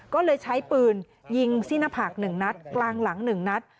ก็เลยใช้ปืนยิงสิ้นผักหนึ่งนัดกลางหลังหนึ่งนัด